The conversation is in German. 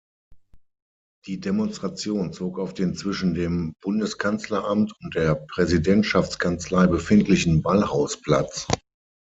Die Demonstration zog auf den zwischen dem Bundeskanzleramt und der Präsidentschaftskanzlei befindlichen Ballhausplatz.